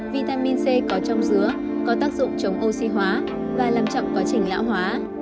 vitamin c có trong dứa có tác dụng chống oxy hóa và làm chậm quá trình lão hóa